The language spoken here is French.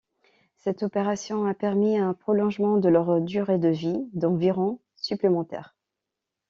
Cette opération a permis un prolongement de leur durée de vie, d'environ supplémentaires.